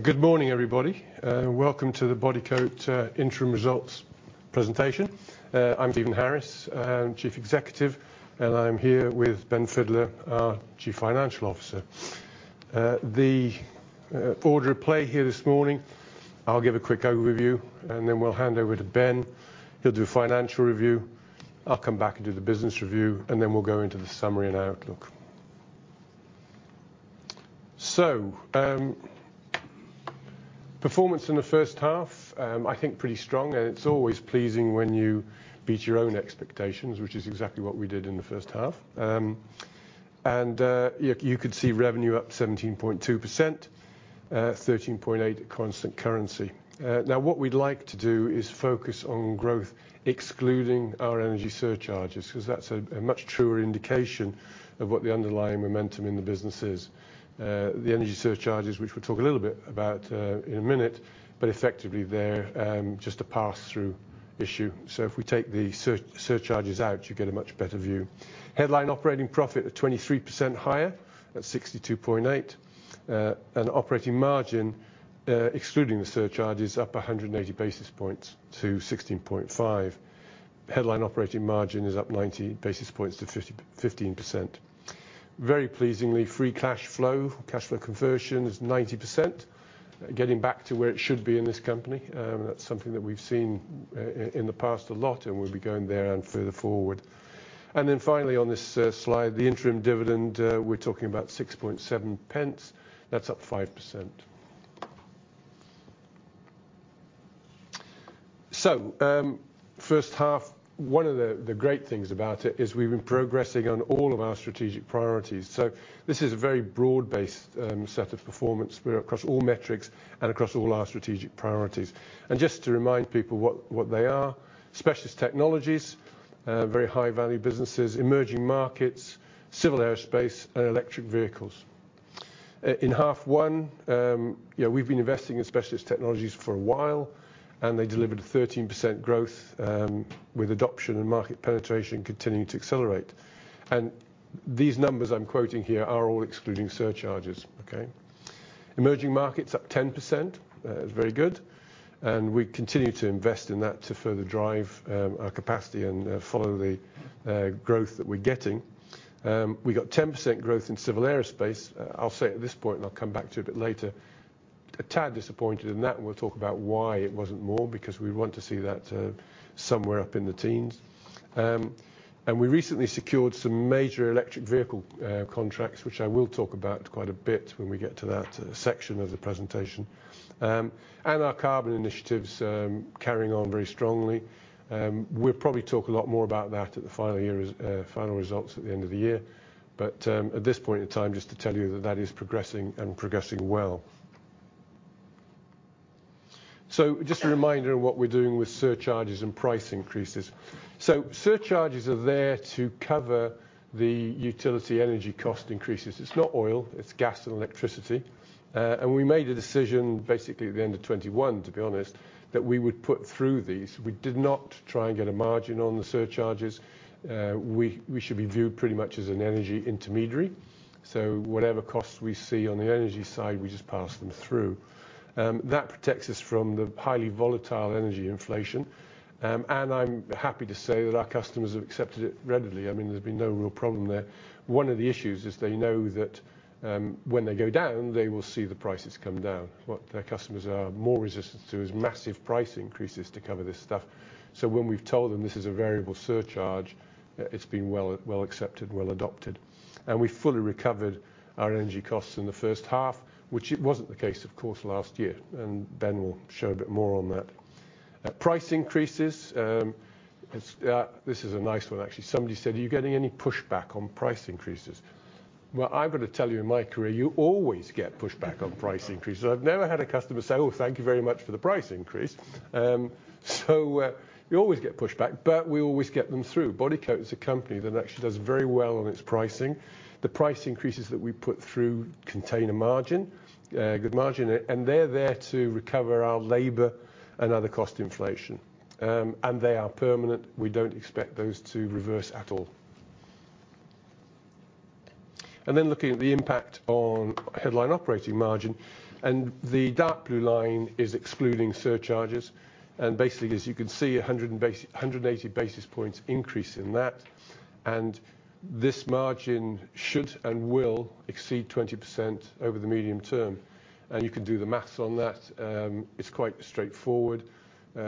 Good morning, everybody. Welcome to the Bodycote interim results presentation. I'm Stephen Harris, I'm chief executive, and I'm here with Ben Fidler, our chief financial officer. Uh, the order of play here this morning, I'll give a quick overview, and then we'll hand over to Ben. He'll do a financial review. I'll come back and do the business review, and then we'll go into the summary and outlook. So, um, performance in the H1, I think pretty strong, and it's always pleasing when you beat your own expectations, which is exactly what we did in the H1. Um, you could see revenue up 17.2%, 13.8% at constant currency. Now, what we'd like to do is focus on growth, excluding our energy surcharges, 'cause that's a much truer indication of what the underlying momentum in the business is. The energy surcharges, which we'll talk a little bit about in a minute, but effectively they're, um, just a pass-through issue. If we take the surcharges out, you get a much better view. Headline operating profit at 23% higher, at 62.8. Operating margin, uh, excluding the surcharges, up 180-16.5 basis points. Headline operating margin is up 90 basis points to 15%. Very pleasingly, free cash flow, cash flow conversion is 90%, getting back to where it should be in this company. That's something that we've seen in the past a lot, and we'll be going there and further forward. Finally, on this slide, the interim dividend, we're talking about 6.7 pence, that's up 5%. So, um, H1, one of the great things about it is we've been progressing on all of our strategic priorities. This is a very broad-based set of performance across all metrics and across all our strategic priorities. Just to remind people what they are, specialist technologies, very high value businesses, emerging markets, civil aerospace, and electric vehicles. In half one, um, we've been investing in specialist technologies for a while, and they delivered a 13% growth with adoption and market penetration continuing to accelerate. These numbers I'm quoting here are all excluding surcharges, okay. Emerging markets, up 10%. Very good, and we continue to invest in that to further drive our capacity and follow the growth that we're getting. Um, we got 10% growth in civil aerospace. I'll say at this point, and I'll come back to it a bit later, a tad disappointed in that, and we'll talk about why it wasn't more, because we want to see that somewhere up in the teens. We recently secured some major electric vehicle contracts, which I will talk about quite a bit when we get to that section of the presentation. Our carbon initiatives carrying on very strongly. We'll probably talk a lot more about that at the final year, final results at the end of the year, but at this point in time, just to tell you that that is progressing and progressing well. Just a reminder on what we're doing with surcharges and price increases. So surcharges are there to cover the utility energy cost increases. It's not oil, it's gas and electricity. We made a decision, basically at the end of 2021, to be honest, that we would put through these. We did not try and get a margin on the surcharges. We should be viewed pretty much as an energy intermediary, so whatever costs we see on the energy side, we just pass them through. That protects us from the highly volatile energy inflation, I'm happy to say that our customers have accepted it readily. I mean, there's been no real problem there. One of the issues is they know that, when they go down, they will see the prices come down. What their customers are more resistant to is massive price increases to cover this stuff. When we've told them this is a variable surcharge, it's been well, well accepted, well adopted. We fully recovered our energy costs in the H1, which it wasn't the case, of course, last year, Ben will show a bit more on that. Price increases, um, It's, this is a nice one, actually. Somebody said, are you getting any pushback on price increases? I've got to tell you, in my career, you always get pushback on price increases. I've never had a customer say, thank you very much for the price increase. You always get pushback, but we always get them through. Bodycote is a company that actually does very well on its pricing. The price increases that we put through contain a margin, a good margin, and they're there to recover our labor and other cost inflation. They are permanent. We don't expect those to reverse at all. Looking at the impact on headline operating margin, the dark blue line is excluding surcharges, as you can see, a 180 basis points increase in that, this margin should and will exceed 20% over the medium term. You can do the math on that. It's quite straightforward.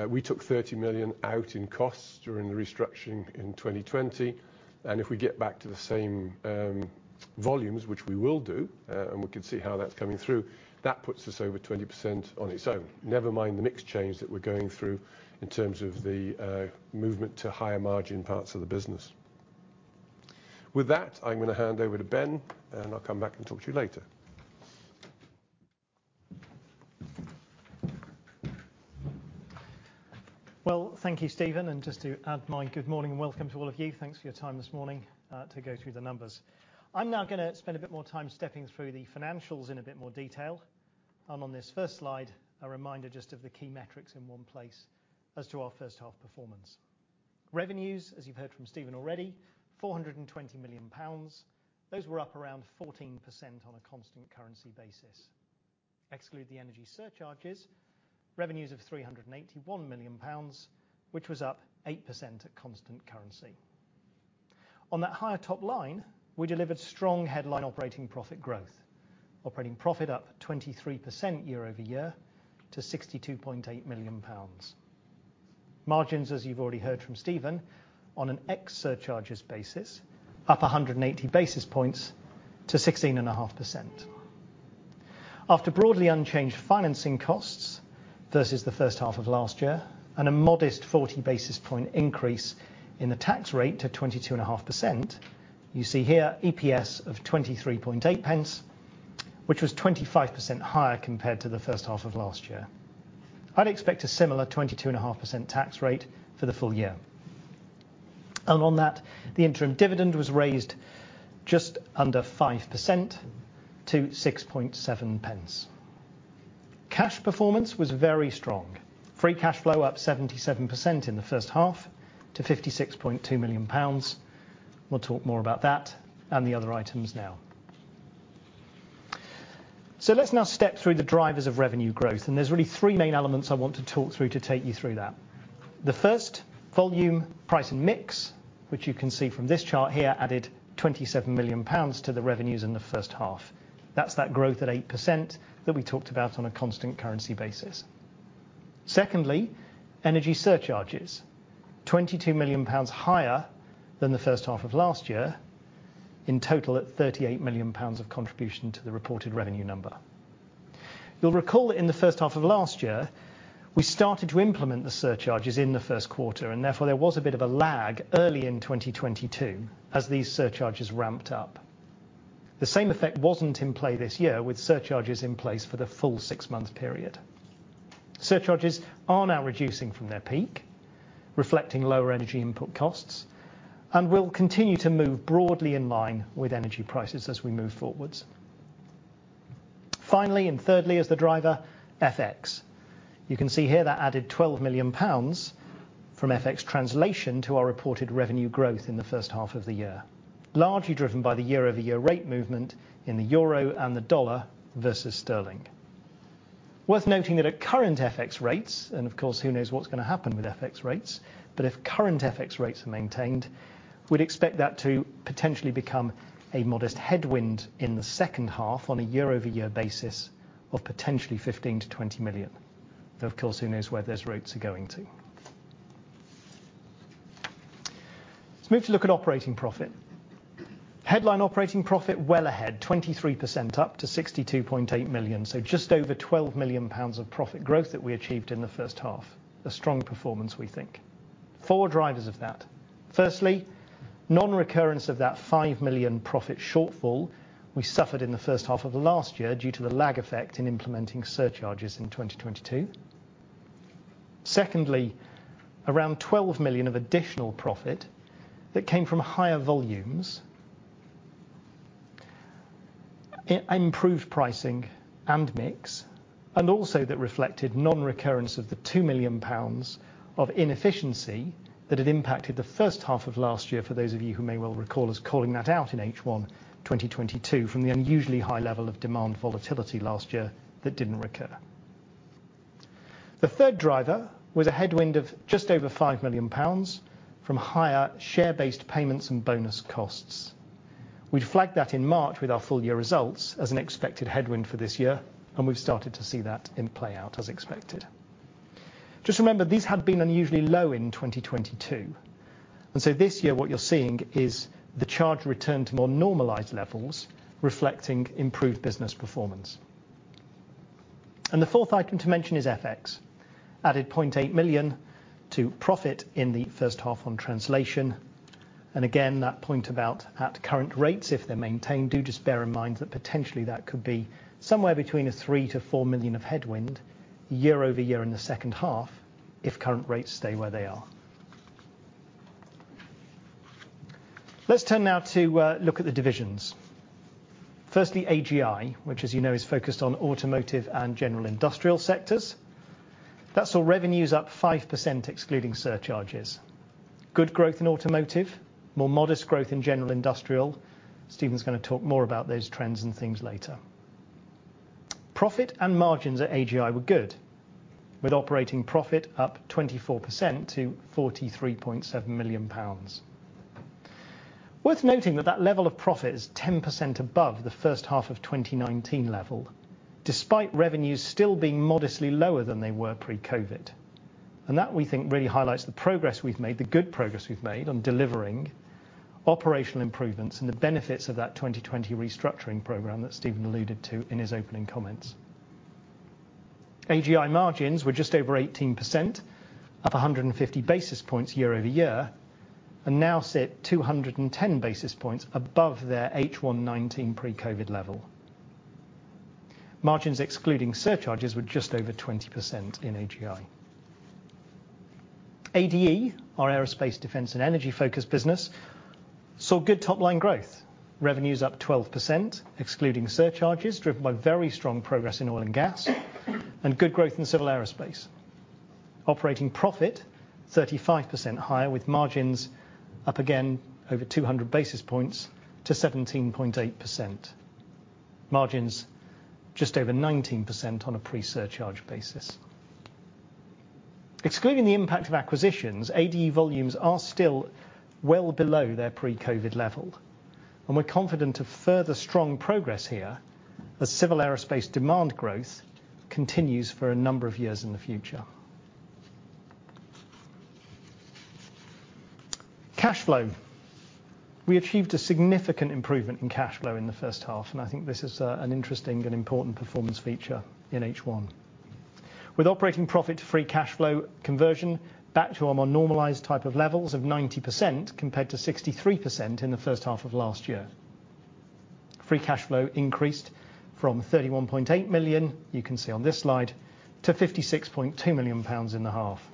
We took 30 million out in costs during the restructuring in 2020, if we get back to the same volumes, which we will do, we can see how that's coming through, that puts us over 20% on its own. Never mind the mix change that we're going through in terms of the movement to higher margin parts of the business. With that, I'm going to hand over to Ben Fidler, I'll come back and talk to you later. Well, thank you, Stephen, and just to add my good morning and welcome to all of you. Thanks for your time this morning, to go through the numbers. I'm now gonna spend a bit more time stepping through the financials in a bit more detail. On this first slide, a reminder just of the key metrics in one place as to our H1 performance. Revenues, as you've heard from Stephen already, 420 million pounds. Those were up around 14% on a constant currency basis. Exclude the energy surcharges, revenues of 381 million pounds, which was up 8% at constant currency. On that higher top line, we delivered strong headline operating profit growth. Operating profit up 23% year-over-year to 62.8 million pounds. Margins, as you've already heard from Stephen, on an ex surcharges basis, up 180 basis points to 16.5%. After broadly unchanged financing costs, versus the H1 of last year, and a modest 40 basis point increase in the tax rate to 22.5%, you see here EPS of 23.8 pence, which was 25% higher compared to the H1 of last year. I'd expect a similar 22.5% tax rate for the full year. On that, the interim dividend was raised just under 5% to 6.7 pence. Cash performance was very strong. Free cash flow up 77% in the H1 to 56.2 million pounds. We'll talk more about that and the other items now. Let's now step through the drivers of revenue growth, there's really three main elements I want to talk through to take you through that. The first, volume, price, and mix, which you can see from this chart here, added 27 million pounds to the revenues in the H1. That's that growth at 8% that we talked about on a constant currency basis. Secondly, energy surcharges. 22 million pounds higher than the H1 of last year, in total, at 38 million pounds of contribution to the reported revenue number. You'll recall that in the H1 of last year, we started to implement the surcharges in the Q1, therefore, there was a bit of a lag early in 2022 as these surcharges ramped up. The same effect wasn't in play this year, with surcharges in place for the full six-month period. Surcharges are now reducing from their peak, reflecting lower energy input costs, and will continue to move broadly in line with energy prices as we move forwards. Finally, thirdly, as the driver, FX. You can see here that added 12 million pounds from FX translation to our reported revenue growth in the H1 of the year, largely driven by the year-over-year rate movement in the euro and the dollar versus sterling. Worth noting that at current FX rates, and of course, who knows what's going to happen with FX rates, but if current FX rates are maintained, we'd expect that to potentially become a modest headwind in the H2 on a year-over-year basis of potentially 15 million-20 million. Of course, who knows where those rates are going? Let's move to look at operating profit. Headline operating profit well ahead, 23%, up to 62.8 million. Just over 12 million pounds of profit growth that we achieved in the H1. A strong performance, we think. Four drivers of that. Firstly, non-recurrence of that 5 million profit shortfall we suffered in the H1 of last year due to the lag effect in implementing surcharges in 2022. Secondly, around 12 million of additional profit that came from higher volumes and improved pricing and mix, and also that reflected non-recurrence of the 2 million pounds of inefficiency that had impacted the H! of last year, for those of you who may well recall us calling that out in H1 2022, from the unusually high level of demand volatility last year, that didn't recur. The third driver was a headwind of just over 5 million pounds from higher share-based payments and bonus costs. We'd flagged that in March with our full year results as an expected headwind for this year, and we've started to see that in play out as expected. Just remember, these had been unusually low in 2022, this year what you're seeing is the charge return to more normalized levels, reflecting improved business performance. The fourth item to mention is FX. Added 0.8 million to profit in the H1 on translation. Again, that point about at current rates, if they're maintained, do just bear in mind that potentially that could be somewhere between a 3 million-4 million of headwind year-over-year in the H2, if current rates stay where they are. Let's turn now to look at the divisions. AGI, which, as you know, is focused on automotive and general industrial sectors. That saw revenues up 5%, excluding surcharges. Good growth in automotive, more modest growth in general industrial. Stephen's gonna talk more about those trends and things later. Profit and margins at AGI were good, with operating profit up 24% to 43.7 million pounds. Worth noting that that level of profit is 10% above the H1 of 2019 level, despite revenues still being modestly lower than they were pre-COVID. That, we think, really highlights the progress we've made, the good progress we've made on delivering operational improvements and the benefits of that 2020 restructuring program that Stephen alluded to in his opening comments. AGI margins were just over 18%, up 150 basis points year-over-year, and now sit 210 basis points above their H1 2019 pre-COVID level. Margins excluding surcharges, were just over 20% in AGI. ADE, our aerospace, defense and energy focused. Good top line growth. Revenues up 12%, excluding surcharges, driven by very strong progress in oil and gas, and good growth in civil aerospace. Operating profit, 35% higher, with margins up again over 200 basis points to 17.8%. Margins just over 19% on a pre-surcharge basis. Excluding the impact of acquisitions, AD volumes are still well below their pre-COVID level, and we're confident of further strong progress here as civil aerospace demand growth continues for a number of years in the future. Cash flow. We achieved a significant improvement in cash flow in the H1, and I think this is an interesting and important performance feature in H1. With operating profit to free cash flow conversion back to our more normalized type of levels of 90% compared to 63% in the H1 of last year. Free cash flow increased from 31.8 million, you can see on this slide, to 56.2 million pounds in the half.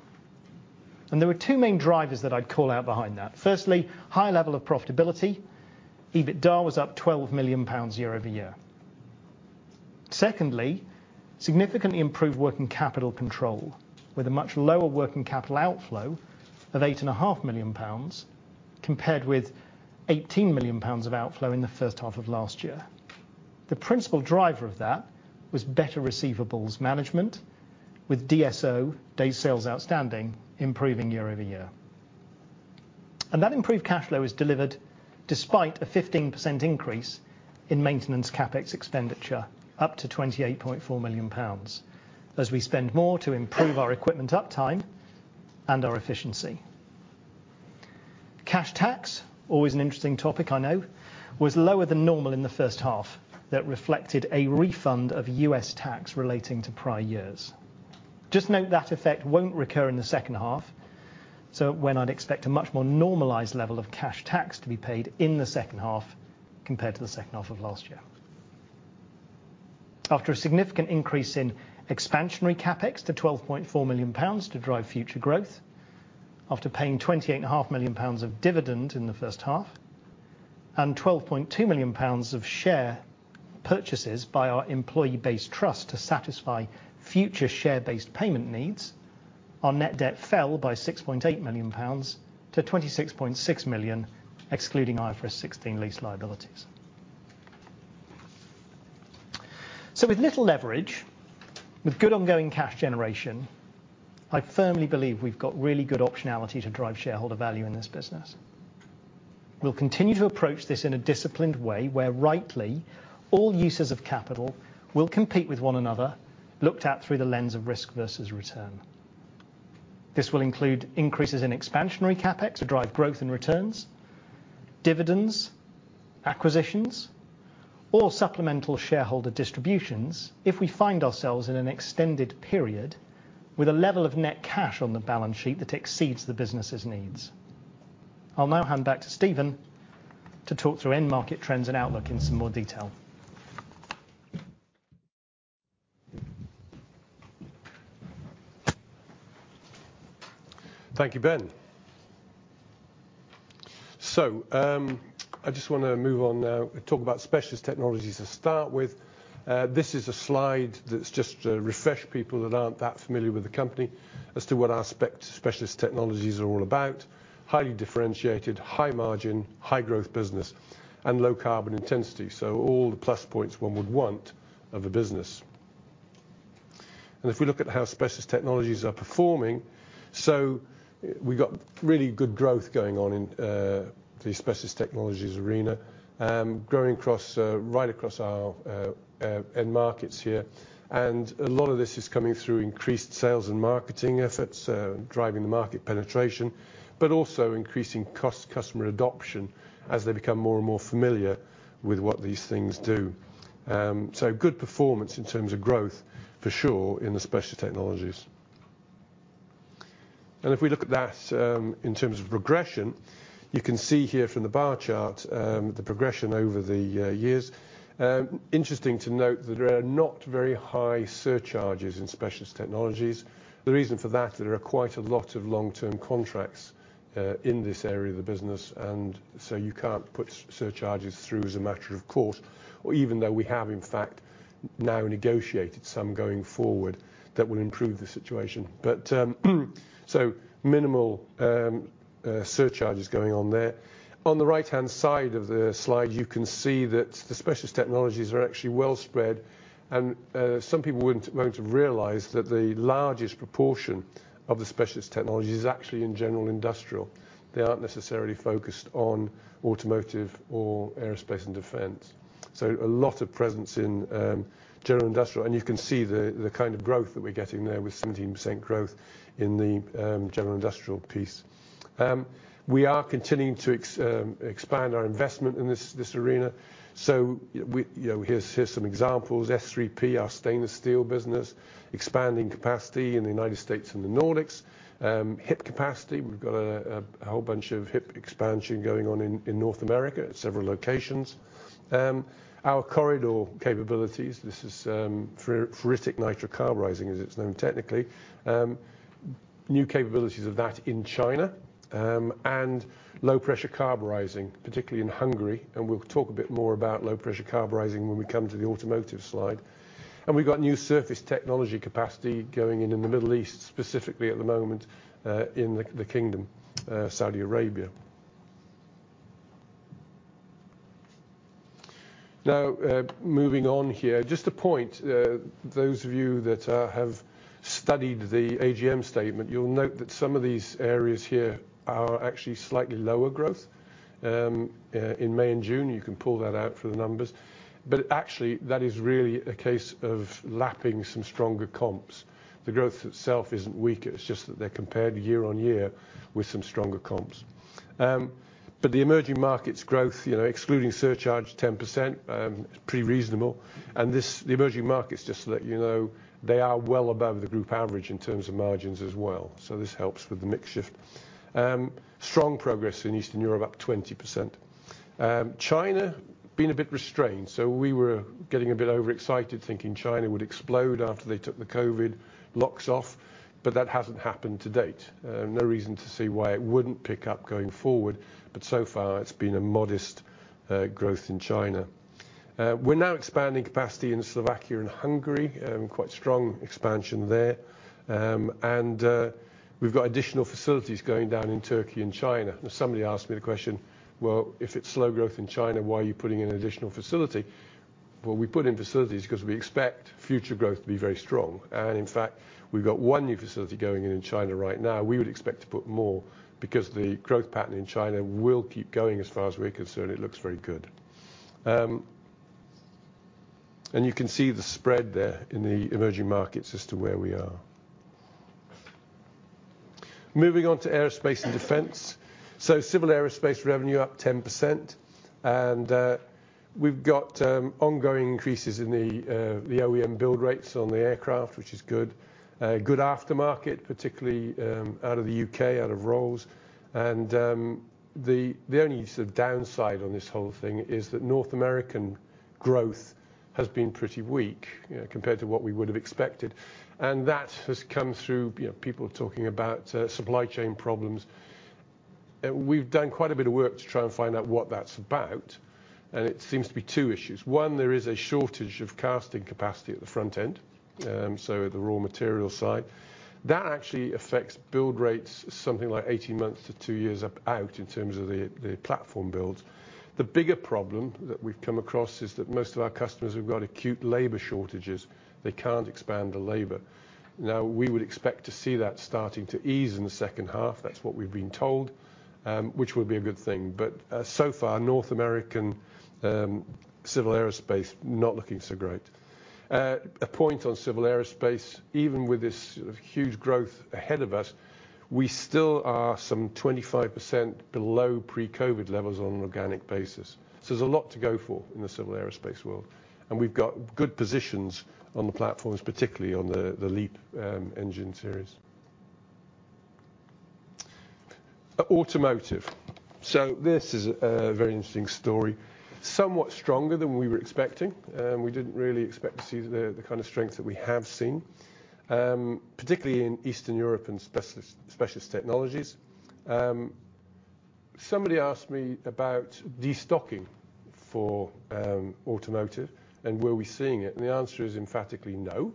There were two main drivers that I'd call out behind that. Firstly, high level of profitability. EBITDA was up 12 million pounds year-over-year. Secondly, significantly improved working capital control, with a much lower working capital outflow of eight and a half million pounds, compared with 18 million pounds of outflow in the H1 of last year. The principal driver of that was better receivables management with DSO, Days Sales Outstanding, improving year-over-year. That improved cash flow is delivered despite a 15% increase in maintenance CapEx expenditure, up to 28.4 million pounds, as we spend more to improve our equipment uptime and our efficiency. Cash tax, always an interesting topic I know, was lower than normal in the H1, that reflected a refund of US tax relating to prior years. Note, that effect won't recur in the H2, when I'd expect a much more normalized level of cash tax to be paid in the H2 compared to the H2 of last year. After a significant increase in expansionary CapEx to 12.4 million pounds to drive future growth, after paying twenty-eight and a half million pounds of dividend in the H1, and 12.2 million pounds of share purchases by our employee-based trust to satisfy future share-based payment needs, our net debt fell by 6.8 million pounds to 26.6 million, excluding IFRS 16 lease liabilities. With little leverage, with good ongoing cash generation, I firmly believe we've got really good optionality to drive shareholder value in this business. We'll continue to approach this in a disciplined way, where rightly, all users of capital will compete with one another, looked at through the lens of risk versus return. This will include increases in expansionary CapEx to drive growth and returns, dividends, acquisitions, or supplemental shareholder distributions if we find ourselves in an extended period with a level of net cash on the balance sheet that exceeds the business's needs. I'll now hand back to Stephen to talk through end market trends and outlook in some more detail. Thank you, Ben. I just wanna move on now and talk about specialist technologies to start with. This is a slide that's just to refresh people that aren't that familiar with the company as to what our specialist technologies are all about. Highly differentiated, high margin, high growth business and low carbon intensity, so all the plus points one would want of a business. If we look at how specialist technologies are performing, so we've got really good growth going on in the specialist technologies arena, growing across right across our end markets here. A lot of this is coming through increased sales and marketing efforts, driving the market penetration, but also increasing cost customer adoption as they become more and more familiar with what these things do. Good performance in terms of growth, for sure, in the specialist technologies. If we look at that, in terms of progression, you can see here from the bar chart, the progression over the years. Interesting to note that there are not very high surcharges in specialist technologies. The reason for that, there are quite a lot of long-term contracts, in this area of the business, and so you can't put surcharges through as a matter of course, or even though we have, in fact, now negotiated some going forward, that will improve the situation. Minimal surcharges going on there. On the right-hand side of the slide, you can see that the specialist technologies are actually well spread, and some people wouldn't have going to realize that the largest proportion of the specialist technologies is actually in general industrial. They aren't necessarily focused on automotive or aerospace and defense. A lot of presence in general industrial, and you can see the kind of growth that we're getting there with 17% growth in the general industrial piece. We are continuing to expand our investment in this arena. You know, here's some examples. S3P, our stainless steel business, expanding capacity in the United States and the Nordics. HIP capacity, we've got a whole bunch of HIP expansion going on in North America at several locations. Our Corr-I-Dur capabilities, this is ferritic nitrocarburizing, as it's known technically. New capabilities of that in China, and low pressure carburizing, particularly in Hungary, and we'll talk a bit more about low pressure carburizing when we come to the automotive slide. We've got new surface technology capacity going in the Middle East, specifically at the moment, in the Kingdom, Saudi Arabia. Moving on here, just a point, those of you that have studied the AGM statement, you'll note that some of these areas here are actually slightly lower growth. In May and June, you can pull that out for the numbers, but actually, that is really a case of lapping some stronger comps. The growth itself isn't weaker, it's just that they're compared year on year with some stronger comps. The emerging markets growth, excluding surcharge, 10%, pretty reasonable, and the emerging markets, they are well above the group average in terms of margins as well. This helps with the mix shift. Strong progress in Eastern Europe, up 20%. China, been a bit restrained, we were getting a bit overexcited, thinking China would explode after they took the COVID locks off, that hasn't happened to date. No reason to see why it wouldn't pick up going forward, so far it's been a modest growth in China. We're now expanding capacity in Slovakia and Hungary, quite strong expansion there. We've got additional facilities going down in Turkey and China. Somebody asked me the question, well, if it's slow growth in China, why are you putting in an additional facility? We put in facilities because we expect future growth to be very strong, and in fact, we've got 1 new facility going in in China right now. We would expect to put more, because the growth pattern in China will keep going. As far as we're concerned, it looks very good. You can see the spread there in the emerging markets as to where we are. Moving on to aerospace and defense. Civil aerospace revenue up 10%, and we've got ongoing increases in the OEM build rates on the aircraft, which is good. A good aftermarket, particularly out of the UK, out of Rolls. The only sort of downside on this whole thing is that North American growth has been pretty weak, compared to what we would have expected, and that has come through, you know, people talking about supply chain problems. We've done quite a bit of work to try and find out what that's about, and it seems to be two issues. One, there is a shortage of casting capacity at the front end, so at the raw material site. That actually affects build rates something like 18 months to two years up out, in terms of the platform builds. The bigger problem that we've come across is that most of our customers have got acute labor shortages. They can't expand the labor. Now, we would expect to see that starting to ease in the H2. That's what we've been told, which would be a good thing. So far, North American civil aerospace not looking so great. A point on civil aerospace, even with this sort of huge growth ahead of us, we still are some 25% below pre-COVID levels on an organic basis. There's a lot to go for in the civil aerospace world, and we've got good positions on the platforms, particularly on the LEAP engine series. Automotive. This is a very interesting story. Somewhat stronger than we were expecting. We didn't really expect to see the kind of strength that we have seen, particularly in Eastern Europe and specialist technologies. Somebody asked me about destocking for automotive, and were we seeing it? The answer is emphatically no.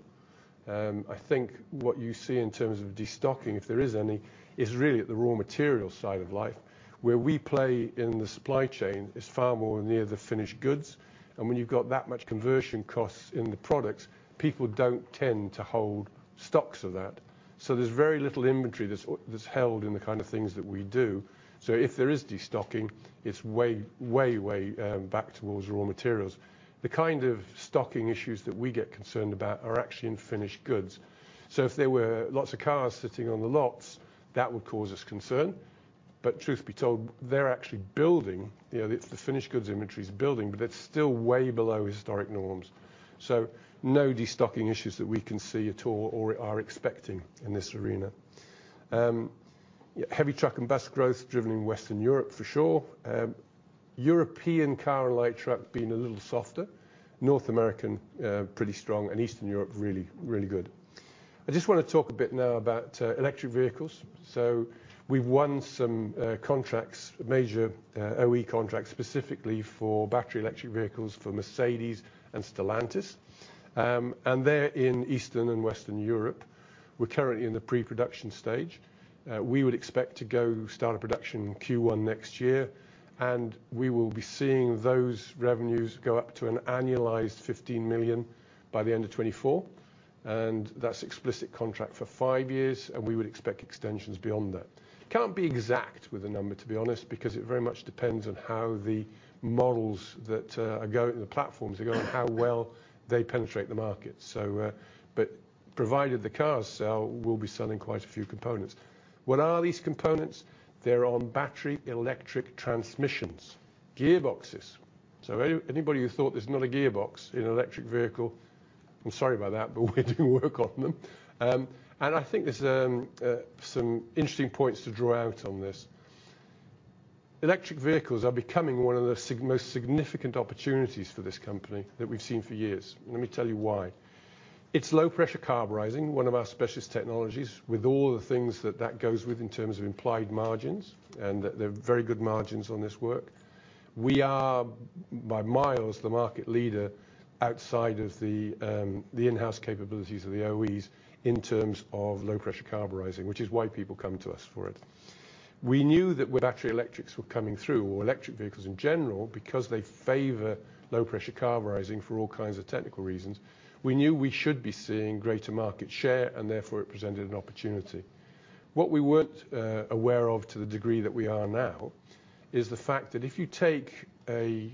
I think what you see in terms of destocking, if there is any, is really at the raw material side of life. Where we play in the supply chain is far more near the finished goods. When you've got that much conversion costs in the products, people don't tend to hold stocks of that. There's very little inventory that's held in the kind of things that we do. If there is destocking, it's way, way back towards raw materials. The kind of stocking issues that we get concerned about are actually in finished goods. If there were lots of cars sitting on the lots, that would cause us concern. Truth be told, they're actually building. You know, the finished goods inventory is building, but it's still way below historic norms. No destocking issues that we can see at all or are expecting in this arena. Heavy truck and bus growth driven in Western Europe, for sure. European car and light truck being a little softer, North American, pretty strong, and Eastern Europe, really, really good. I just wanna talk a bit now about electric vehicles. We've won some contracts, major OE contracts, specifically for battery electric vehicles for Mercedes and Stellantis. They're in Eastern and Western Europe. We're currently in the pre-production stage. We would expect to go start a production Q1 next year, we will be seeing those revenues go up to an annualized 15 million by the end of 2024, that's explicit contract for 5 years, we would expect extensions beyond that. Can't be exact with the number, to be honest, because it very much depends on how the models that the platforms are going, how well they penetrate the market. But provided the cars sell, we'll be selling quite a few components. What are these components? They're on battery electric transmissions, gearboxes. Anybody who thought there's not a gearbox in an electric vehicle, I'm sorry about that, but we do work on them. And I think there's some interesting points to draw out on this. Electric vehicles are becoming one of the most significant opportunities for this company that we've seen for years. Let me tell you why. It's Low pressure carburizing, one of our specialist technologies, with all the things that that goes with in terms of implied margins, and they're very good margins on this work. We are, by miles, the market leader outside of the in-house capabilities of the OEs in terms of low pressure carburizing, which is why people come to us for it. We knew that with battery electrics were coming through, or electric vehicles in general, because they favor low pressure carburizing for all kinds of technical reasons, we knew we should be seeing greater market share, and therefore it presented an opportunity. What we weren't aware of to the degree that we are now, is the fact that if you take a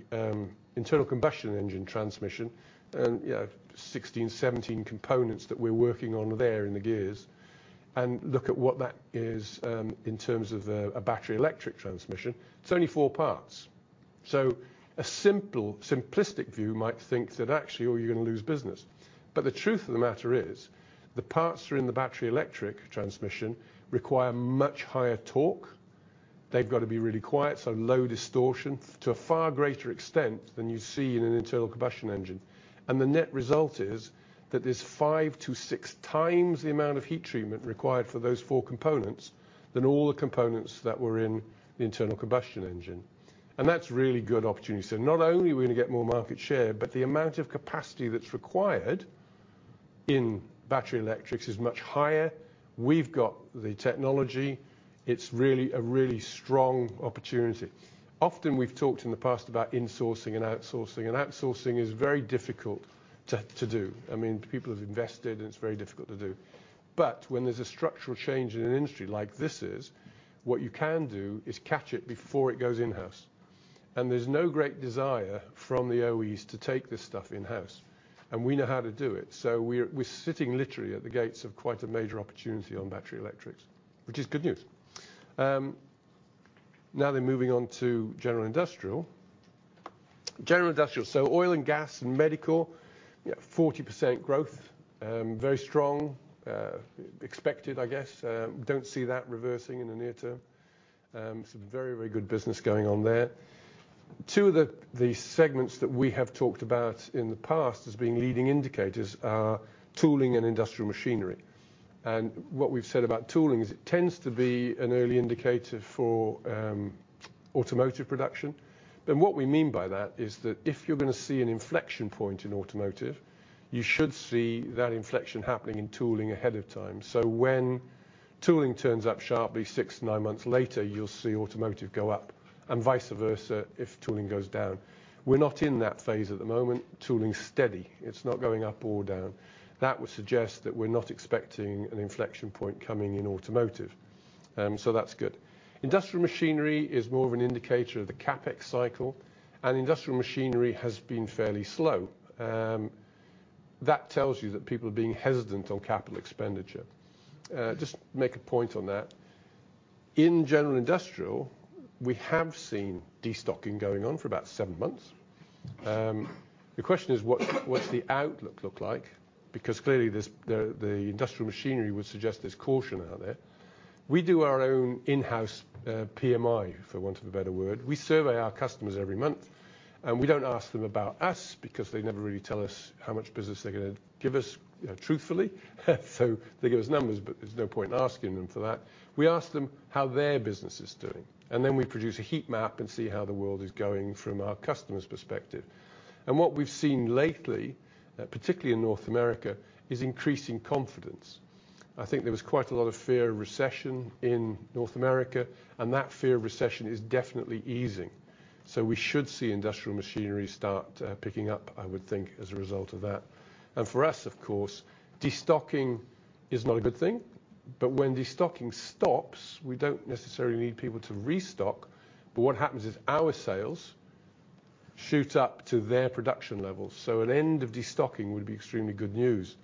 internal combustion engine transmission and, you know, 16, 17 components that we're working on there in the gears, and look at what that is in terms of a battery electric transmission, it's only four parts. So a simple, simplistic view might think that actually, you're gonna lose business. The truth of the matter is, the parts that are in the battery electric transmission require much higher torque. They've got to be really quiet, so low distortion, to a far greater extent than you see in an internal combustion engine. The net result is that there's five to six times the amount of heat treatment required for those four components than all the components that were in the internal combustion engine. That's a really good opportunity. Not only are we gonna get more market share, but the amount of capacity that's required in battery electrics is much higher. We've got the technology. It's really a really strong opportunity. Often, we've talked in the past about insourcing and outsourcing, and outsourcing is very difficult to do. I mean, people have invested, and it's very difficult to do. When there's a structural change in an industry, like this is, what you can do is catch it before it goes in-house. There's no great desire from the OEs to take this stuff in-house, and we know how to do it. We're sitting literally at the gates of quite a major opportunity on battery electrics, which is good news. Moving on to general industrial. General industrial, oil and gas and medical, yeah, 40% growth, very strong, expected, I guess. Don't see that reversing in the near term. Some very good business going on there. Two of the segments that we have talked about in the past as being leading indicators are tooling and industrial machinery. What we've said about tooling is it tends to be an early indicator for automotive production. What we mean by that, is that if you're gonna see an inflection point in automotive, you should see that inflection happening in tooling ahead of time. When tooling turns up sharply, 6-9 months later, you'll see automotive go up and vice versa if tooling goes down. We're not in that phase at the moment. Tooling's steady. It's not going up or down. That would suggest that we're not expecting an inflection point coming in automotive, so that's good. Industrial machinery is more of an indicator of the CapEx cycle, and industrial machinery has been fairly slow. That tells you that people are being hesitant on capital expenditure. Just make a point on that. In general industrial, we have seen destocking going on for about seven months. The question is, what's the outlook look like? Clearly, the industrial machinery would suggest there's caution out there. We do our own in-house PMI, for want of a better word. We survey our customers every month, and we don't ask them about us, because they never really tell us how much business they're gonna give us, you know, truthfully. They give us numbers, but there's no point in asking them for that. We ask them how their business is doing, and then we produce a heat map and see how the world is going from our customers' perspective. What we've seen lately, particularly in North America, is increasing confidence. I think there was quite a lot of fear of recession in North America, and that fear of recession is definitely easing. We should see industrial machinery start picking up, I would think, as a result of that. For us, of course, destocking is not a good thing, but when destocking stops, we don't necessarily need people to restock, but what happens is our sales shoot up to their production levels. An end of destocking would be extremely good news,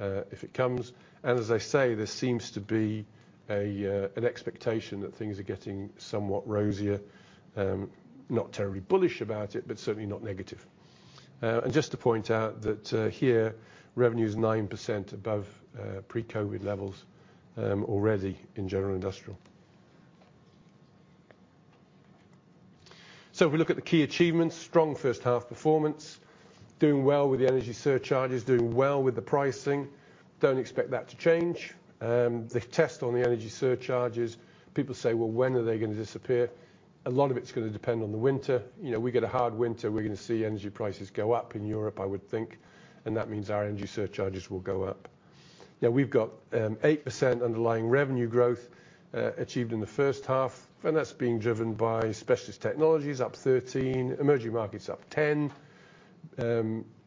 if it comes, and as I say, there seems to be an expectation that things are getting somewhat rosier. Not terribly bullish about it, but certainly not negative. Just to point out that here, revenue is 9% above pre-COVID levels, already in general industrial. If we look at the key achievements, strong H1 performance, doing well with the energy surcharges, doing well with the pricing. Don't expect that to change. The test on the energy surcharges, people say, well, when are they gonna disappear? A lot of it's gonna depend on the winter. You know, we get a hard winter, we're gonna see energy prices go up in Europe, I would think. That means our energy surcharges will go up. We've got 8% underlying revenue growth achieved in the H1. That's being driven by Specialist Technologies, up 13%, emerging markets up 10%,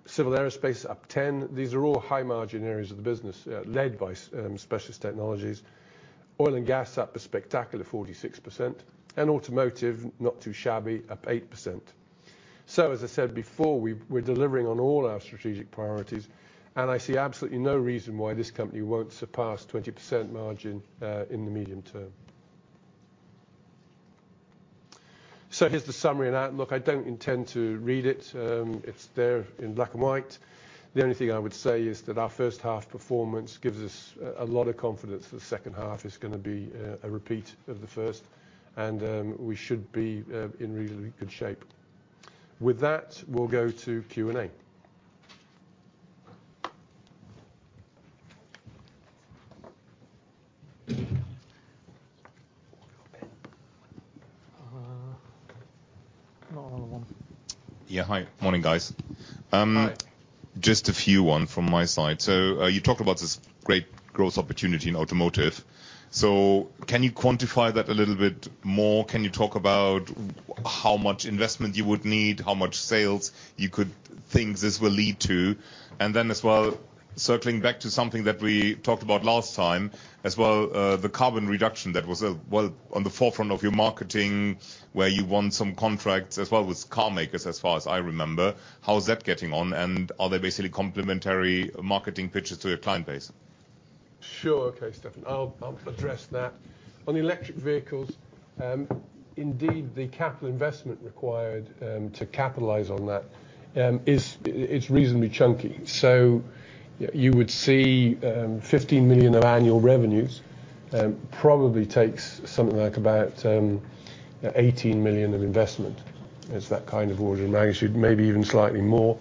civil aerospace up 10%. These are all high-margin areas of the business, led by Specialist Technologies. Oil and gas up a spectacular 46%. Automotive, not too shabby, up 8%. As I said before, we're delivering on all our strategic priorities. I see absolutely no reason why this company won't surpass 20% margin in the medium term. Here's the summary and outlook. I don't intend to read it. It's there in black and white. The only thing I would say is that on the H1 performance gives us a lot of confidence that the H2 is gonna be a repeat of the first, and we should be in really good shape. With that, we'll go to Q&A. Yeah, Hi. Morning, guys. Hi. Um, just a few, one from my side. You talked about this great growth opportunity in automotive. So, can you quantify that a little bit more? Can you talk about how much investment you would need, how much sales you could think this will lead to? Then as well, circling back to something that we talked about last time, as well, the carbon reduction that was, well, on the forefront of your marketing, where you won some contracts as well with car makers, as far as I remember. How is that getting on, and are they basically complementary marketing pitches to your client base? Sure thing, Stefan. I'll address that. On the electric vehicles, um, indeed, the capital investment required, to capitalize on that, it's reasonably chunky. You would see, 15 million of annual revenues, probably takes something like about, 18 million of investment. It's that kind of order of magnitude, maybe even slightly more.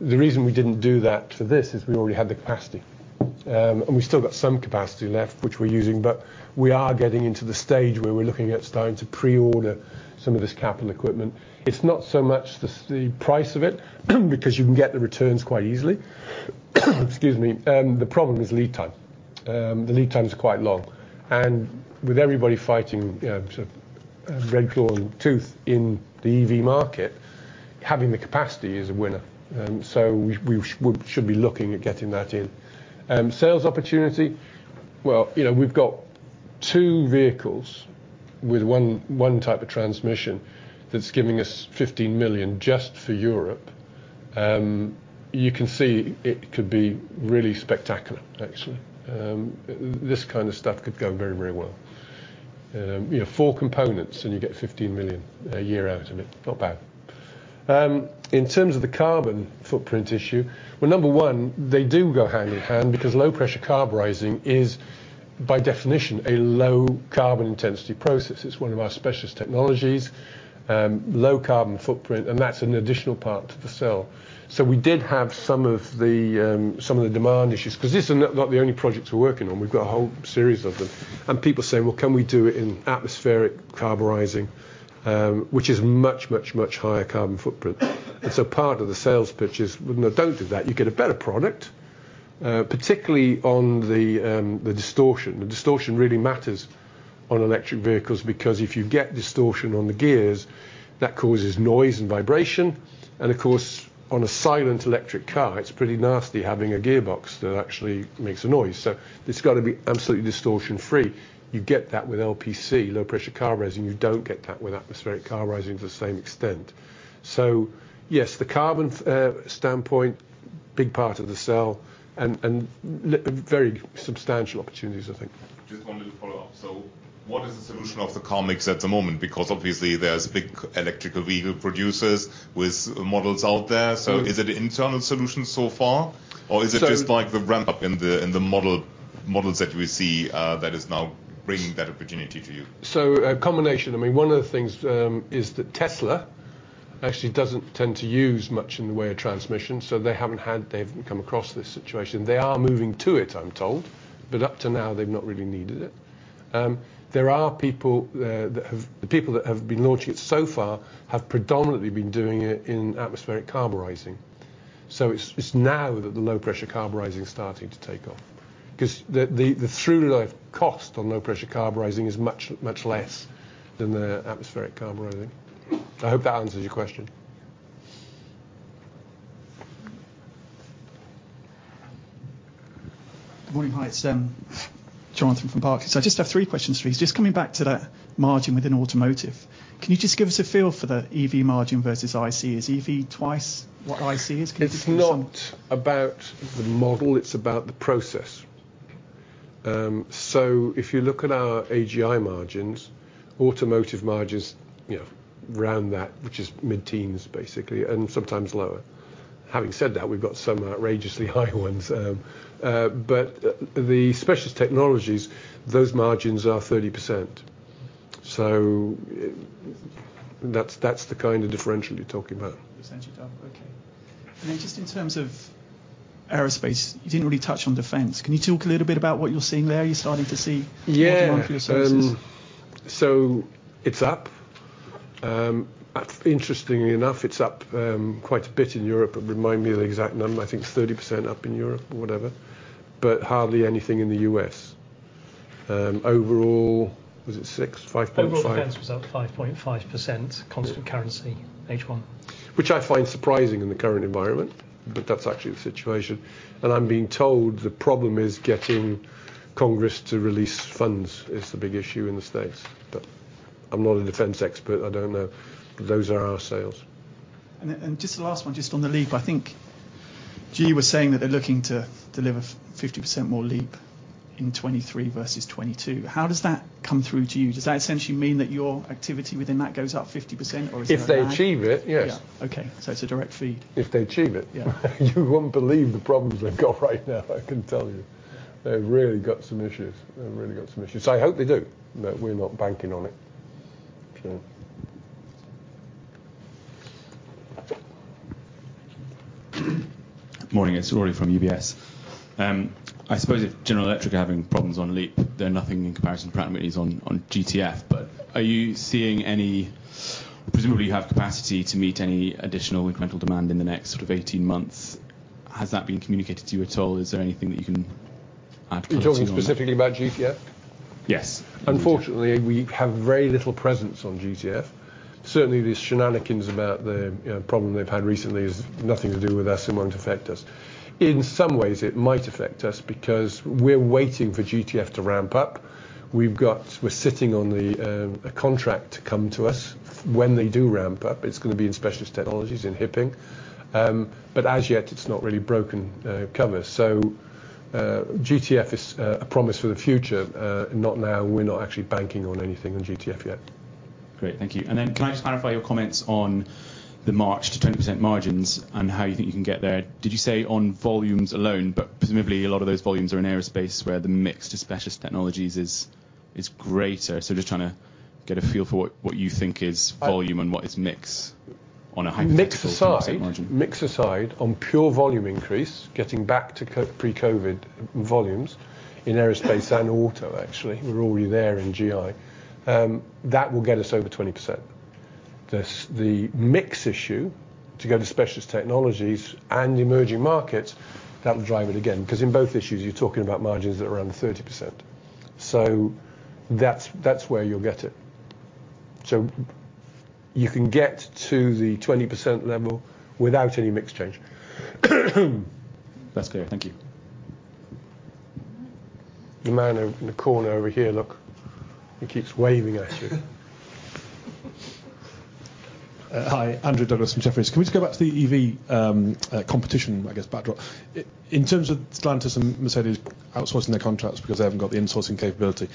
The reason we didn't do that for this is we already had the capacity. We still got some capacity left, which we're using, but we are getting into the stage where we're looking at starting to pre-order some of this capital equipment. It's not so much the price of it, because you can get the returns quite easily. Excuse me. The problem is lead time. The lead time is quite long, and with everybody fighting, sort of, bread, claw, and tooth in the EV market, having the capacity is a winner. We should be looking at getting that in. Sales opportunity, well, you know, we've got two vehicles with one type of transmission that's giving us 15 million just for Europe. You can see it could be really spectacular, actually. This kind of stuff could go very, very well. You know, four components, you get 15 million a year out of it. Not bad. In terms of the carbon footprint issue, well, number one, they do go hand in hand because low pressure carburising is, by definition, a low carbon intensity process. It's one of our specialist technologies, low carbon footprint, that's an additional part to the cell. We did have some of the, some of the demand issues, 'cause this is not the only project we're working on. We've got a whole series of them, and people say, well, can we do it in Atmospheric carburising? Which is much, much, much higher carbon footprint. Part of the sales pitch is, no, don't do that. You get a better product, uh, particularly on the distortion. The distortion really matters on electric vehicles, because if you get distortion on the gears, that causes noise and vibration, and of course, on a silent electric car, it's pretty nasty having a gearbox that actually makes a noise. It's got to be absolutely distortion-free. You get that with LPC, Low pressure carburising, you don't get that with Atmospheric carburising to the same extent. Yes, the carbon, standpoint, big part of the sell and, and, very substantial opportunities, I think. Just one little follow-up. What is the solution of the car makes at the moment? Obviously, there's big electrical vehicle producers with models out there. Is it an internal solution so far? is it just like the ramp-up in the models that we see, that is now bringing that opportunity to you? A combination. I mean, one of the things is that Tesla actually doesn't tend to use much in the way of transmission. They've come across this situation. They are moving to it, I'm told, up to now, they've not really needed it. Um, there are people, the people that have been launching it so far, have predominantly been doing it in atmospheric carburizing. It's now that the low pressure carburizing is starting to take off, 'cause the through life cost on low pressure carburizing is much, much less than the atmospheric carburizing. I hope that answers your question. Good morning. Hi, it's Jonathan from Panmure Gordon. I just have three questions for you. Just coming back to that margin within automotive, can you just give us a feel for the EV margin versus IC? Is EV twice what IC is? It's not about the model, it's about the process. If you look at our AGI margins, automotive margins, you know, around that, which is mid-teens, basically, and sometimes lower. Having said that, we've got some outrageously high ones, the specialist technologies, those margins are 30%. That's, that's the kind of differential you're talking about... Essentially, okay. Just in terms of aerospace, you didn't really touch on defense. Can you talk a little bit about what you're seeing there? Are you starting to see. Yeah More demand for your services? It's up. Um, interestingly enough, it's up quite a bit in Europe. Remind me of the exact number. I think it's 30% up in Europe or whatever, but hardly anything in the US Overall, was it six, five point. Overall, defense was up 5.5%, constant currency, H1. Which I find surprising in the current environment, but that's actually the situation. I'm being told the problem is getting Congress to release funds, is the big issue in the States. I'm not a defense expert, I don't know. Those are our sales. Just the last one, just on the LEAP, I think GE was saying that they're looking to deliver 50% more LEAP in 2023 versus 2022. How does that come through to you? Does that essentially mean that your activity within that goes up 50%, or is it? If they achieve it, yes. Yeah. Okay. It's a direct feed. If they achieve it. Yeah. You won't believe the problems they've got right now, I can tell you. They've really got some issues. I hope they do, but we're not banking on it, so... Morning, it's Rory from UBS. I suppose if general electric are having problems on LEAP, they're nothing in comparison to Pratt & Whitney on GTF. Presumably, you have capacity to meet any additional incremental demand in the next sort of 18 months? Has that been communicated to you at all? Is there anything that you can add color on? Are you talking specifically about GTF? Yes. Unfortunately, we have very little presence on GTF. Certainly, these shenanigans about the problem they've had recently is nothing to do with us and won't affect us. In some ways, it might affect us because we're waiting for GTF to ramp up. We're sitting on the a contract to come to us. When they do ramp up, it's gonna be in specialist technologies, in HIPing. As yet, it's not really broken cover. GTF is a promise for the future, not now. We're not actually banking on anything on GTF yet. Great, thank you. Can I just clarify your comments on the march to 20% margins and how you think you can get there? Did you say on volumes alone, but presumably, a lot of those volumes are in aerospace, where the mix to specialist technologies is greater? Just trying to get a feel for what you think is volume and what is mix on a high margin. Mix aside. Margin. Mix aside, on pure volume increase, getting back to pre-COVID volumes in aerospace and auto, actually, we're already there in GI. That will get us over 20%. The mix issue, to go to specialist technologies and emerging markets, that will drive it again, 'cause in both issues, you're talking about margins that are around 30%. That's where you'll get it. You can get to the 20% level without any mix change. That's clear. Thank you. The man over in the corner over here, look, he keeps waving at you. Hi, Andrew Douglas from Jefferies. Can we just go back to the EV competition, I guess, backdrop? In terms of Stellantis and Mercedes outsourcing their contracts because they haven't got the insourcing capability,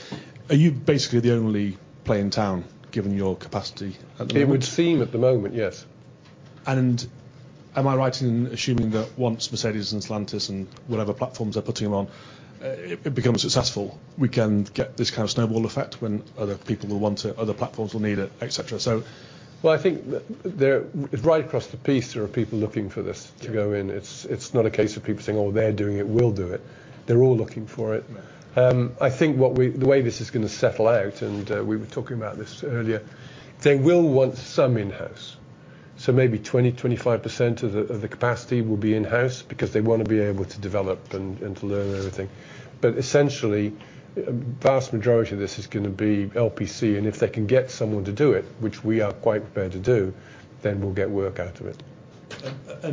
are you basically the only play in town, given your capacity at the moment? It would seem at the moment, yes. And am I right in assuming that once Mercedes and Stellantis and whatever platforms they're putting them on, it becomes successful, we can get this kind of snowball effect, when other people will want it, other platforms will need it, et cetera, so. I think that Right across the piece, there are people looking for this to go in. Yeah. It's not a case of people saying, they're doing it, we'll do it. They're all looking for it. Yeah. I think the way this is gonna settle out, we were talking about this earlier, they will want some in-house. Maybe 20%-25% of the capacity will be in-house because they want to be able to develop and to learn everything. Essentially, vast majority of this is gonna be LPC, and if they can get someone to do it, which we are quite prepared to do, then we'll get work out of it.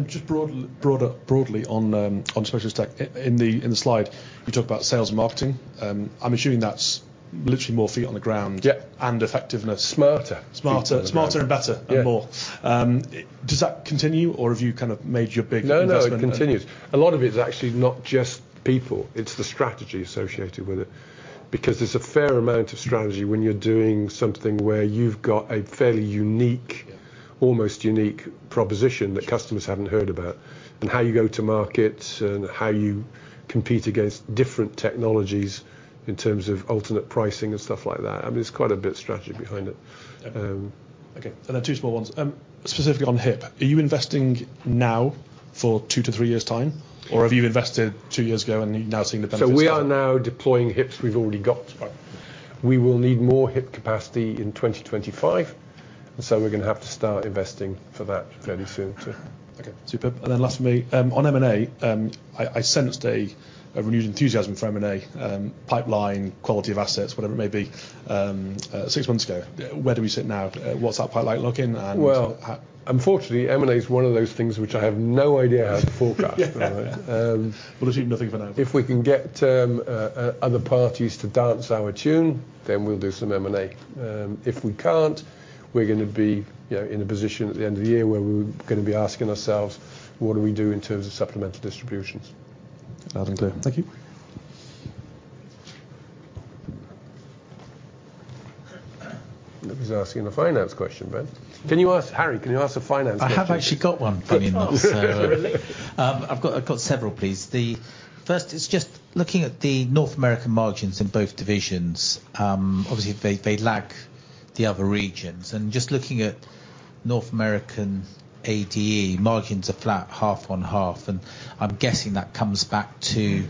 Just broad and broader, broadly on Specialist Tech, in the slide, you talk about sales and marketing. I'm assuming that's literally more feet on the ground. Yeah and effectiveness. Smarter. Smarter. Smarter and better. Yeah Um more. Does that continue, or have you kind of made your big investment? No, no, it continues. A lot of it is actually not just people, it's the strategy associated with it. There's a fair amount of strategy when you're doing something where you've got a fairly unique. Almost unique proposition that customers haven't heard about, and how you go to market, and how you compete against different technologies in terms of alternate pricing and stuff like that. I mean, there's quite a bit of strategy behind it. Okay. Two small ones. Specifically on HIP, are you investing now for two to three years' time, or have you invested two years ago and you're now seeing the benefits? We are now deploying HIPs we've already got. Right. We will need more HIP capacity in 2025, and so we're gonna have to start investing for that fairly soon, too. Okay, super. Last for me, on M&A, I sensed a renewed enthusiasm for M&A, pipeline, quality of assets, whatever it may be, six months ago. Where do we sit now? What's that pipeline look in and how Well, unfortunately, M&A is one of those things which I have no idea how to forecast. Yeah. We'll achieve nothing for now. If we can get other parties to dance to our tune, then we'll do some M&A. If we can't, we're gonna be, you know, in a position at the end of the year where we're gonna be asking ourselves, what do we do in terms of supplemental distributions? Loud and clear. Thank you. Nobody's asking a finance question, Ben. Harry, can you ask a finance question? I have actually got one, funny enough, so Really? I've got several, please. The first is just looking at the North American margins in both divisions. Obviously, they lack the other regions. Just looking at North American ADE, margins are flat, half on half, and I'm guessing that comes back to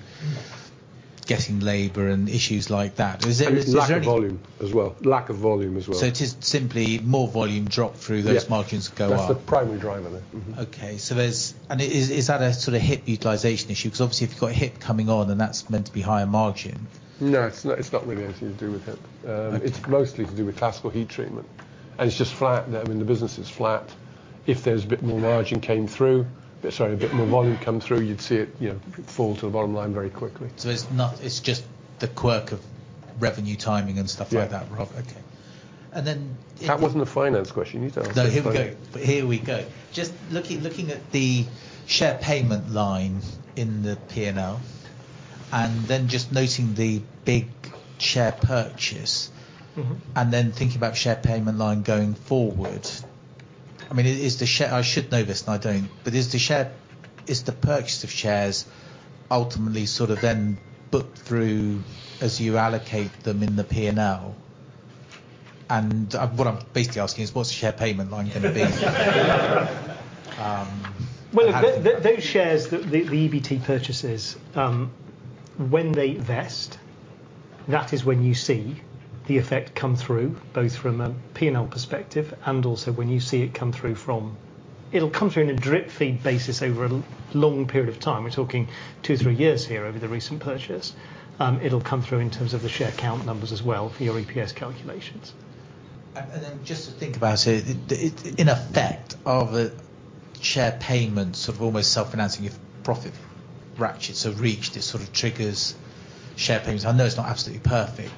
getting labor and issues like that. Is there any? Lack of volume as well. It is simply more volume dropped through those. Yeah Margins go up? That's the primary driver there. Is that a sort of HIP utilization issue? Because obviously, if you've got a HIP coming on, then that's meant to be higher margin. No, it's not really anything to do with HIP. Okay. It's mostly to do with classical heat treatment, and it's just flat. I mean, the business is flat. If there's a bit more margin came through, sorry, a bit more volume come through, you'd see it, you know, fall to the bottom line very quickly. It's just the quirk of revenue timing and stuff like that. Yeah Rather. Okay. That wasn't a finance question. You tell him. No, here we go. Here we go. Just looking at the share payment line in the P&L, then just noting the big share purchase Thinking about share payment line going forward. I mean, is the share... I should know this, and I don't, but is the share, is the purchase of shares ultimately sort of then booked through as you allocate them in the P&L?... What I'm basically asking is what's the share payment line going to be? Well, those shares that the EBT purchases, when they vest, that is when you see the effect come through, both from a P&L perspective, and also when you see it come through. It'll come through in a drip feed basis over a long period of time. We're talking two, three years here over the recent purchase. It'll come through in terms of the share count numbers as well for your EPS calculations. Then just to think about it, the in effect, of a share payment, sort of almost self-financing your profit ratchets have reached. It sort of triggers share payments. I know it's not absolutely perfect.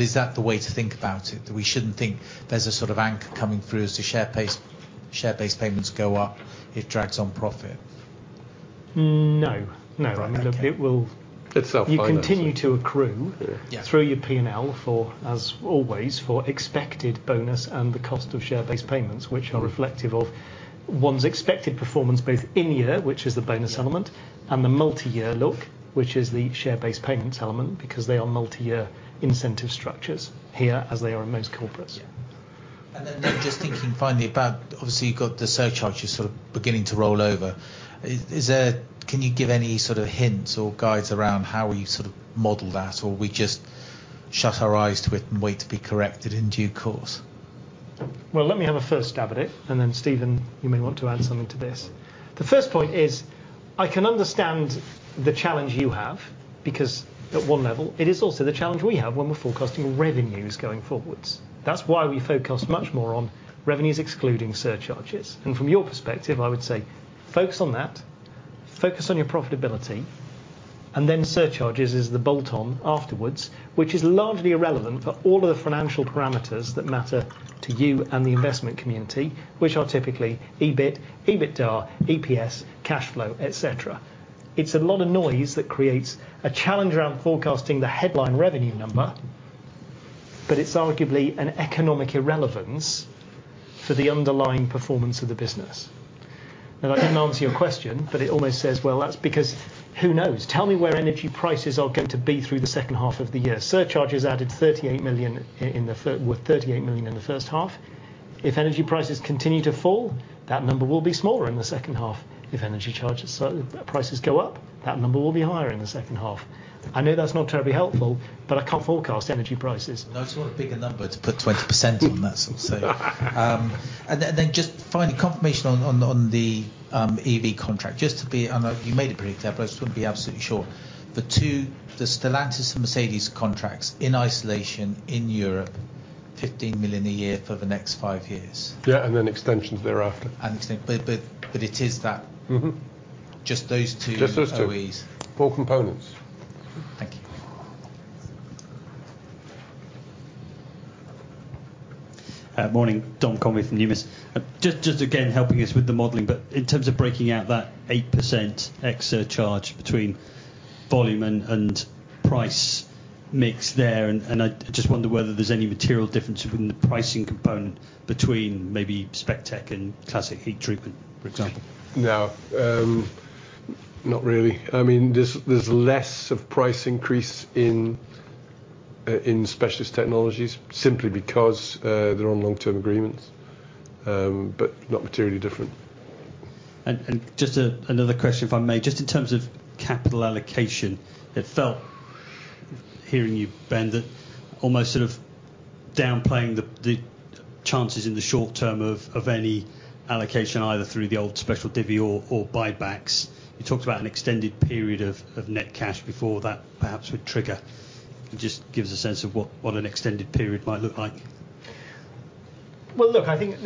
Is that the way to think about it? That we shouldn't think there's a sort of anchor coming through as the share base payments go up, it drags on profit. No. No. Okay. I mean, look, it will- It's self-financing. You continue to a crew- Yeah. -through your P&L for, as always, for expected bonus and the cost of share-based payments, which are reflective of one's expected performance, both in year, which is the bonus element, and the multi-year look, which is the share-based payments element, because they are multi-year incentive structures here, as they are in most corporates. Yeah. Just thinking finally about, obviously, you've got the surcharges sort of beginning to roll over. Can you give any sort of hints or guides around how we sort of model that, or we just shut our eyes to it and wait to be corrected in due course? Well, let me have a first stab at it, and then, Stephen, you may want to add something to this. The first point is, I can understand the challenge you have, because at one level, it is also the challenge we have when we're forecasting revenues going forwards. That's why we focus much more on revenues, excluding surcharges. From your perspective, I would say, focus on that, focus on your profitability, and then surcharges is the bolt-on afterwards, which is largely irrelevant for all of the financial parameters that matter to you and the investment community, which are typically, EBIT, EBITDA, EPS, cash flow, et cetera. It's a lot of noise that creates a challenge around forecasting the headline revenue number, but it's arguably an economic irrelevance for the underlying performance of the business. I didn't answer your question, but it almost says, well, that's because who knows? Tell me where energy prices are going to be through the H2 of the year. Surcharges added 38 million well, 38 million in the H1. If energy prices continue to fall, that number will be smaller in the H2. If energy charges prices go up, that number will be higher in the H2. I know that's not terribly helpful, but I can't forecast energy prices. No, it's not a bigger number to put 20% on that sort of thing. Then just finally, confirmation on the EV contract. I know you made it pretty clear, but I just want to be absolutely sure. The two, the Stellantis and Mercedes contracts in isolation in Europe, 15 million a year for the next five years. Yeah, and then extensions thereafter. But it is that? Just those two- Just those two. OEs. Four components. Thank you. Morning, Dominic Convey from Numis. just again, helping us with the modeling, but in terms of breaking out that 8% extra charge between volume and price mix there, and I just wonder whether there's any material difference between the pricing component between maybe Spec Tech and classic heat treatment, for example? Not really. I mean, there's less of price increase in specialist technologies simply because they're on long-term agreements, but not materially different. Just another question, if I may. Just in terms of capital allocation, it felt, hearing you, Ben, that almost sort of downplaying the chances in the short term of any allocation, either through the old special divvy or buybacks. You talked about an extended period of net cash before that perhaps would trigger. Just give us a sense of what an extended period might look like. Well, look, I think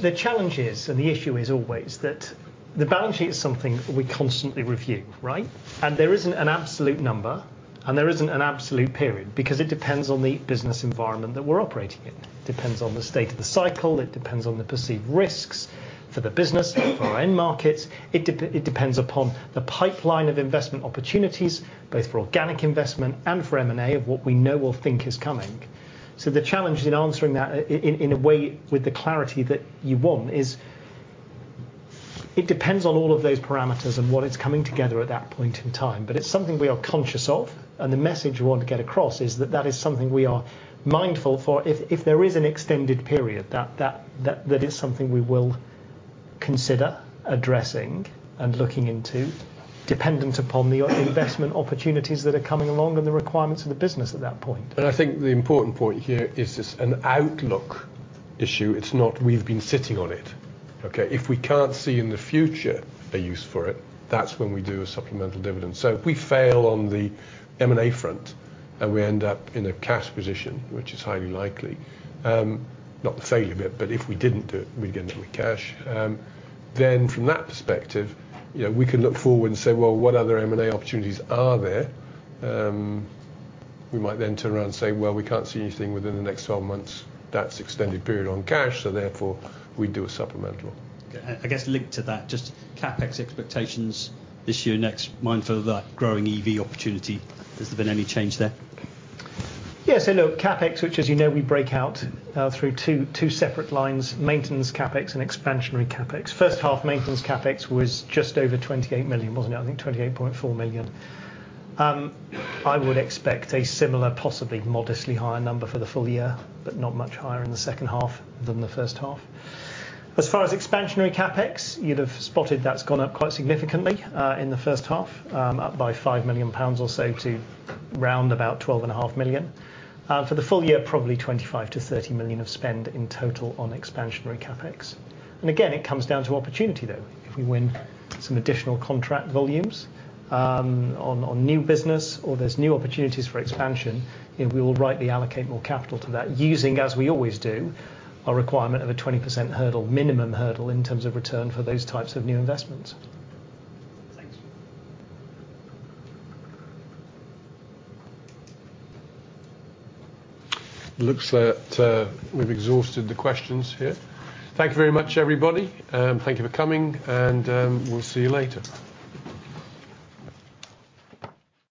the challenge is, and the issue is always that the balance sheet is something we constantly review, right? There isn't an absolute number, and there isn't an absolute period, because it depends on the business environment that we're operating in. It depends on the state of the cycle, it depends on the perceived risks for the business, for our end markets. It depends upon the pipeline of investment opportunities, both for organic investment and for M&A, of what we know or think is coming. The challenge in answering that in a way, with the clarity that you want, is it depends on all of those parameters and what is coming together at that point in time. It's something we are conscious of, and the message we want to get across is that is something we are mindful for. If there is an extended period, that is something we will consider addressing and looking into, dependent upon the investment opportunities that are coming along and the requirements of the business at that point. I think the important point here is this an outlook issue, it's not we've been sitting on it, okay? If we can't see in the future a use for it, that's when we do a supplemental dividend. If we fail on the M&A front, and we end up in a cash position, which is highly likely, not the failure bit, but if we didn't do it, we'd end up with cash. From that perspective, you know, we can look forward and say, well, what other M&A opportunities are there? We might then turn around and say, well, we can't see anything within the next 12 months. That's extended period on cash, so therefore, we do a supplemental. Okay. I guess linked to that, just CapEx expectations this year, next, mindful of that growing EV opportunity. Has there been any change there? Yeah, so look, CapEx, which as you know, we break out through two separate lines, maintenance CapEx and expansionary CapEx. H1, maintenance CapEx was just over 28 million, wasn't it? I think 28.4 million. I would expect a similar, possibly modestly higher number for the full year, but not much higher in the H2 than the H1. As far as expansionary CapEx, you'd have spotted that's gone up quite significantly in the H1, up by 5 million pounds or so to round about 12.5 million. For the full year, probably 25 million-30 million of spend in total on expansionary CapEx. Again, it comes down to opportunity, though. If we win some additional contract volumes, on new business, or there's new opportunities for expansion, we will rightly allocate more capital to that, using, as we always do, a requirement of a 20% hurdle, minimum hurdle, in terms of return for those types of new investments. Thanks. Looks like, we've exhausted the questions here. Thank you very much, everybody, thank you for coming, and, we'll see you later.